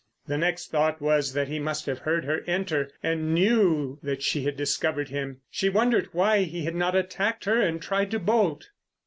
The next thought was that he must have heard her enter and knew that she had discovered him. She wondered why he had not attacked her and tried to bolt.